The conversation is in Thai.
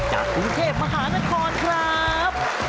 จากกรุงเทพมหานครครับ